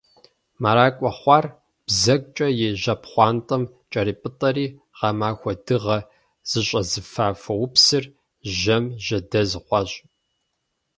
Мэракӏуэ хъуар, бзэгукӏэ и жьэпхъуантэм кӏэрипӏытӏэри, гъэмахуэ дыгъэ зыщӏэзыфа фоупсыр, жьэм жьэдэз хъуащ.